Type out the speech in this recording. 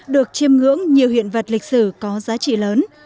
được chiêm ngưỡng nhiều hiện vật lịch sử có giá trị lớn